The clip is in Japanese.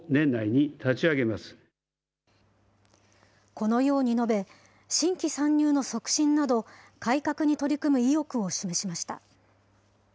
このように述べ、新規参入の促進など、改革に取り組む意欲を示しました。